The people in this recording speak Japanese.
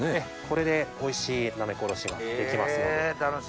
これでおいしいなめこおろしができますので。